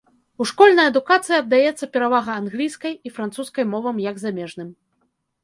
У школьнай адукацыі аддаецца перавага англійскай і французскай мовам як замежным.